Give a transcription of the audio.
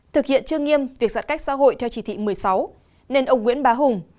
thực hiện chưa nghiêm việc giãn cách xã hội theo chỉ thị một mươi sáu nên ông nguyễn bá hùng